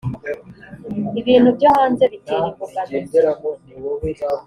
ibintu byo hanze bitera imbogamizi